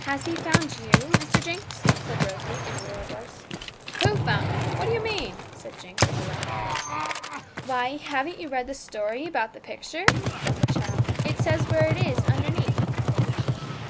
'Has He found you, Mr. Jinx?' said Rosalie, in a lower voice. 'Who found me? what do you mean?' said Jinx, with a laugh. 'Why, haven't you read the story about the picture?' said the child. 'It says where it is underneath.'